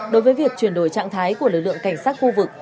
đối với việc chuyển đổi trạng thái của lực lượng cảnh sát khu vực